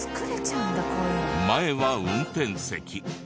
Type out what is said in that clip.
前は運転席。